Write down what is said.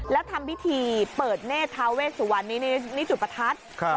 แล้วทำพิธีเปิดเนธทาเวสวรรค์นี้นี่นี่จุดประทัดครับ